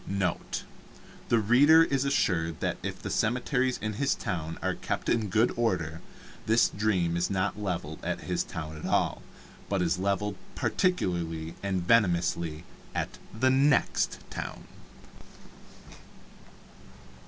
NOTE. The reader is assured that if the cemeteries in his town are kept in good order, this Dream is not leveled at his town at all, but is leveled particularly and venomously at the next town.